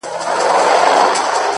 يارانو مخ ورځني پټ کړئ گناه کاره به سئ-